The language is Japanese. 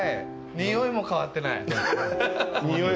においも変わってない。